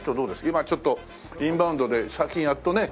今ちょっとインバウンドで最近やっとね。